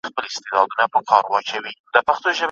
مګر ها! یوه خبره لا کومه